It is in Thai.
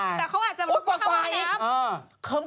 แต่เขาอาจจะหมวดชิ้นช่องเข้าบ้านน้ำ